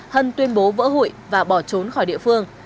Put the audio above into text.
hân tuyên bố vỡ hụi và bỏ trốn khỏi địa phương